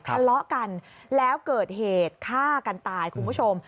ทะเลาะกันแล้วเกิดเหตุฆ่ากันตายคุณผู้ชม